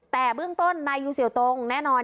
แต่เบื้องต้นนายยูเสี่ยวตรงแน่นอน